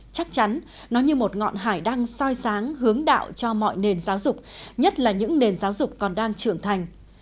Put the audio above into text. chắc chắn nó như một ngọn hải đang soi sáng hướng đạo cho mọi nền giáo dục nhất là những nền giáo dục còn đang trưởng thành